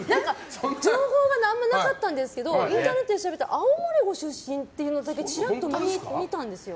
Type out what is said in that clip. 情報が何もなかったんですけどインターネットで調べたら青森ご出身っていうのだけちらっと見たんですよ。